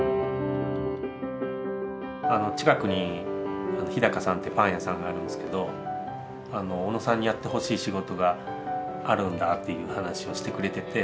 近くにＨＩＤＡＫＡさんってパン屋さんがあるんですけど小野さんにやってほしい仕事があるんだっていう話をしてくれてて。